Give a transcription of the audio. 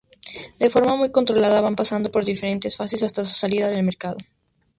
De forma muy controlada, van pasando por diferentes fases hasta su salida al mercado.